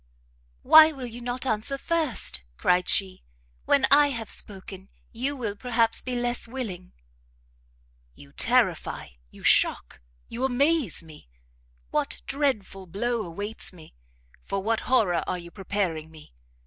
"Why will you not answer first?" cried she; "when I have spoken, you will perhaps be less willing." "You terrify, you shock, you amaze me! What dreadful blow awaits me? For what horror are you preparing me?